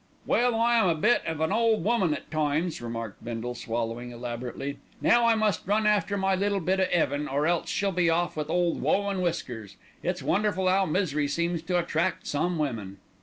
"Well I am a bit of an ole woman at times," remarked Bindle, swallowing elaborately. "Now I must run after my little bit of 'eaven, or else she'll be off with Ole Woe and Whiskers. It's wonderful 'ow misery seems to attract some women."